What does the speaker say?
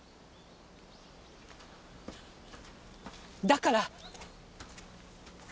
だから！